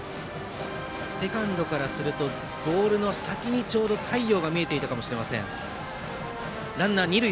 セカンドからするとボールの先にちょうど太陽が見えていたかもしれません。